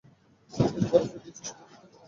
আমি বরফের নিচের সবাইকে শাসন করব।